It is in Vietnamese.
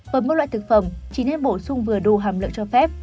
với mỗi loại thực phẩm chỉ nên bổ sung vừa đủ hàm lượng cho phép